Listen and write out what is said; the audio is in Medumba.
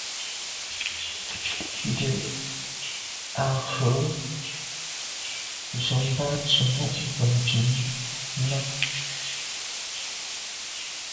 Ndù à ghù ze mba tsemo’ benntùn nà.